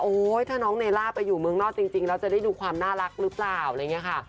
โอ้ยถ้าน้องเนล่าไปอยู่เมืองนอกจริงแล้วจะได้ดูความน่ารักหรือเปล่า